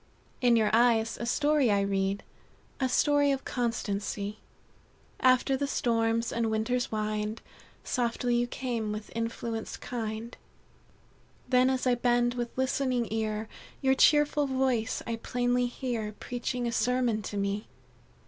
"In your eyes a story I read A story of constancy. After the storms and winter's wind, Softly you come with influence kind; Then as I bend with listening ear, Your cheerful voice I plainly hear, Preaching a sermon to me.